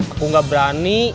aku nggak berani